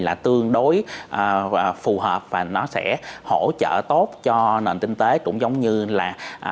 phương đối phù hợp và nó sẽ hỗ trợ tốt cho nền kinh tế cũng giống như là